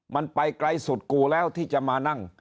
มันไปไกลสุดกูแล้วที่จะมานั่ง